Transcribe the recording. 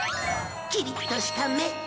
キリッとした目。